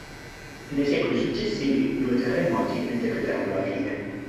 Nei secoli successivi, due terremoti ne decretarono la fine.